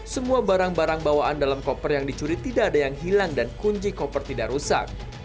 semua barang barang bawaan dalam koper yang dicuri tidak ada yang hilang dan kunci koper tidak rusak